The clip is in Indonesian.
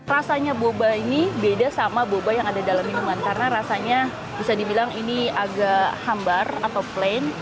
rasanya boba ini beda sama boba yang ada dalam minuman karena rasanya bisa dibilang ini agak hambar atau plain